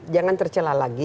jangan tercelah lagi